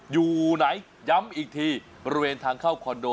อยู่ไหนย้ำอีกทีบริเวณทางเข้าคอนโด